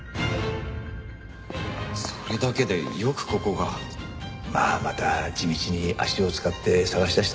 それだけでよくここが。まあまた地道に足を使って捜し出したんだろう。